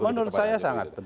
menurut saya sangat